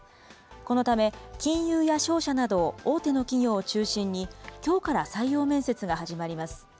このため、金融や商社など、大手の企業を中心に、きょうから採用面接が始まります。